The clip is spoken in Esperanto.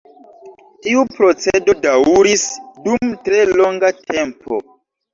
Tiu procedo daŭris dum tre longa tempo.